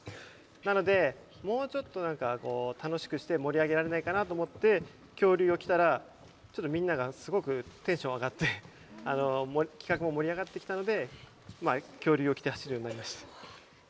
なので、もうちょっとなんか、楽しくして盛り上げられないかなと思って、恐竜を着たら、ちょっとみんながすごくテンション上がって、企画も盛り上がってきたので、恐竜を着て走るようになりました。